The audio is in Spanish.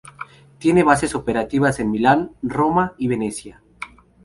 Tiene bases operativas en Milán, Roma y Venecia.